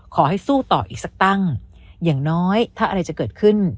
ขอให้สู้ต่ออีกสักตั้งอย่างน้อยถ้าอะไรจะเกิดขึ้น